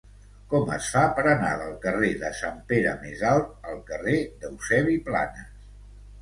Com es fa per anar del carrer de Sant Pere Més Alt al carrer d'Eusebi Planas?